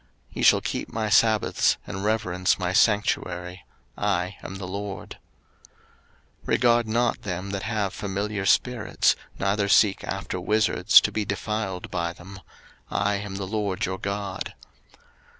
03:019:030 Ye shall keep my sabbaths, and reverence my sanctuary: I am the LORD. 03:019:031 Regard not them that have familiar spirits, neither seek after wizards, to be defiled by them: I am the LORD your God.